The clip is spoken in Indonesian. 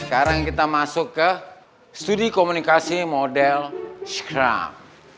sekarang kita masuk ke studi komunikasi model scruf